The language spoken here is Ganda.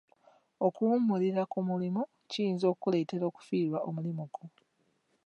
Okuwummulira ku mulimu kiyinza okuletera okufirwa omulimu gwo.